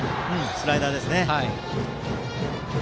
スライダーですね。